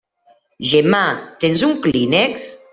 Gemma, tens un clínex?